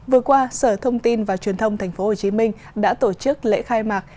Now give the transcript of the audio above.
vừa qua sở thông tin và truyền thông tp hcm đã tổ chức lễ khai mạc